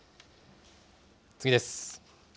次です。